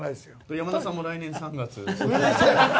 山田さんも来年３月。